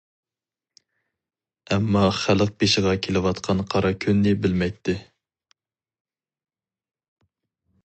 ئەمما خەلق بېشىغا كېلىۋاتقان قارا كۈننى بىلمەيتتى.